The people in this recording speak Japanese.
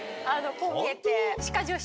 こう見えて。